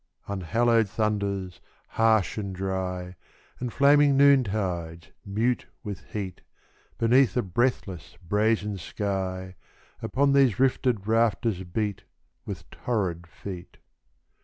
Unhallowed thunders, harsh and dry, And flaming noontides, mute with heat, Beneath the breathless, brazen sky, Upon these rifted rafters beat With torrid feet.